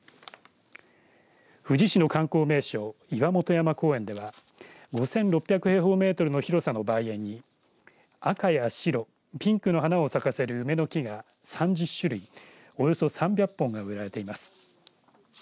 富士市の観光名所岩本山公園では５６００平方メートルの広さの梅園に赤や白ピンクの花を咲かせる梅の木が３０種類およそ３００本が植えられています。